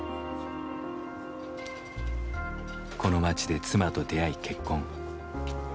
この町で妻と出会い結婚。